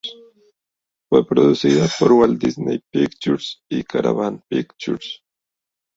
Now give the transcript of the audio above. Fue producida por Walt Disney Pictures y Caravan Pictures.